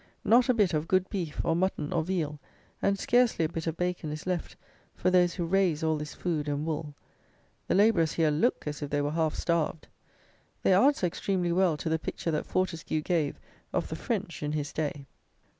Not a bit of good beef, or mutton, or veal, and scarcely a bit of bacon is left for those who raise all this food and wool. The labourers here look as if they were half starved. They answer extremely well to the picture that Fortescue gave of the French in his day.